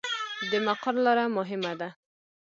د مقر لاره مهمه ده